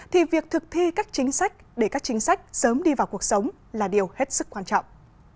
thì việc thực thi các chính sách để các chính sách sớm đi vào cuộc sống là điều hết sức quan trọng